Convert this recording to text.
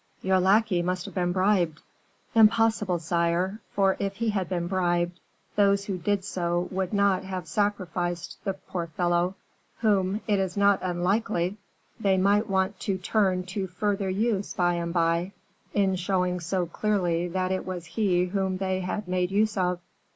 "Your lackey must have been bribed." "Impossible, sire; for if he had been bribed, those who did so would not have sacrificed the poor fellow, whom, it is not unlikely, they might want to turn to further use by and by, in showing so clearly that it was he whom they had made use of."